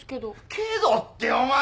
「けど」ってお前。